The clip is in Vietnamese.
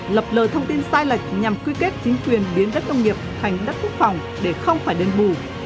lập lờ thông tin sai lệch nhằm quy kết chính quyền biến đất nông nghiệp thành đất quốc phòng để không phải đơn bù